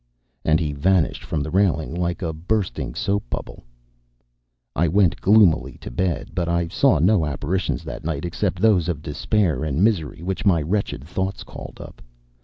And he vanished from the railing like a bursting soap bubble. I went gloomily to bed, but I saw no apparitions that night except those of despair and misery which my wretched thoughts called up.